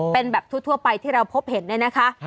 เป็นแบบทั่วไปที่เราพบเห็นนะฮะ